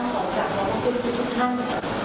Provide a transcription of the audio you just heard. สวัสดีครับสวัสดีครับ